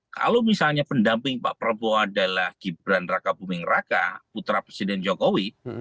kalau misalnya pendamping pak prabowo adalah gibran raka buming raka putra presiden jokowi